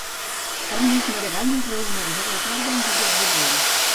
Ernest Maragall es reuneix a la tarda amb Josep Borrell